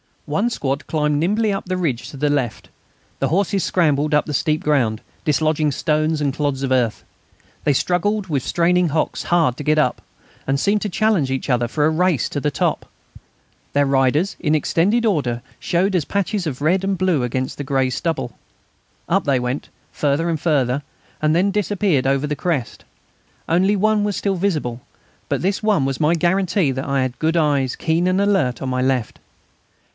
One squad climbed nimbly up the ridge to the left. The horses scrambled up the steep ground, dislodging stones and clods of earth. They struggled with straining hocks hard to get up, and seemed to challenge each other for a race to the top. Their riders, in extended order, showed as patches of red and blue against the grey stubble. Up they went, further and further, and then disappeared over the crest. Only one was still visible, but this one was my guarantee that I had good eyes, keen and alert, on my left.